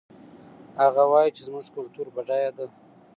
هغه وایي چې زموږ کلتور بډایه ده